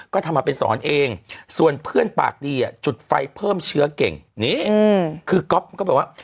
ก็ทำมาเป็นสอนเองส่วนเพื่อนปากดีอ่ะจุดไฟเพิ่มเชื้อเก่งนี่คือก๊อฟมันก็แบบว่า